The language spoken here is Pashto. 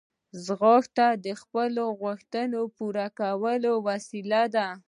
ځغاسته د خپلو غوښتنو پوره کولو وسیله ده